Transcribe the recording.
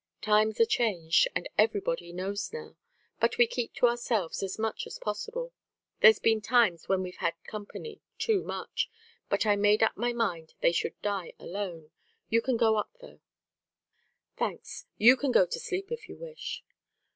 Times are changed, and everybody knows now; but we keep to ourselves as much as possible. There've been times when we've had company too much; but I made up my mind they should die alone. You can go up, though." "Thanks. You can go to sleep, if you wish."